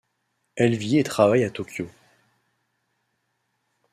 Elle vit et travaille à Tōkyō.